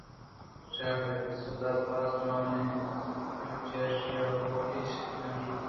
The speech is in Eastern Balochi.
شیر ءَ پسّہ دات باز جوٛانبلے چرایشی ءَ وَ ہچ نہ بیت